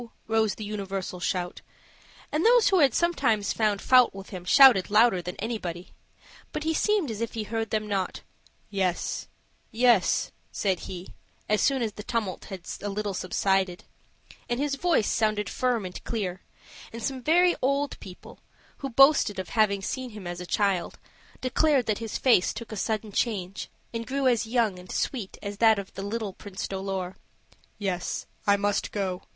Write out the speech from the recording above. rose the universal shout and those who had sometimes found fault with him shouted louder than anybody. But he seemed as if he heard them not. "Yes, yes," said he, as soon as the tumult had a little subsided: and his voice sounded firm and clear; and some very old people, who boasted of having seen him as a child, declared that his face took a sudden change, and grew as young and sweet as that of the little Prince Dolor. "Yes, I must go.